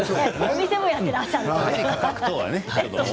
お店もやっていらっしゃいます。